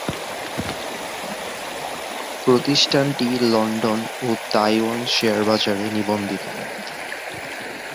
প্রতিষ্ঠানটি লন্ডন ও Taiwan share বাজারে নিবন্ধিত।